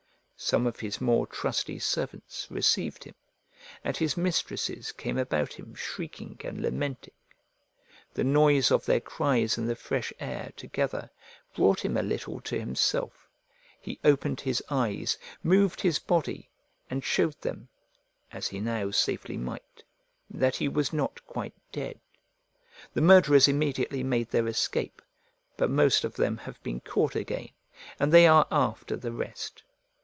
Some of his more trusty servants received him, and his mistresses came about him shrieking and lamenting. The noise of their cries and the fresh air, together, brought him a little to himself; he opened his eyes, moved his body, and shewed them (as he now safely might) that he was not quite dead. The murderers immediately made their escape; but most of them have been caught again, and they are after the rest.